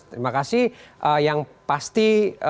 terima kasih yang pasti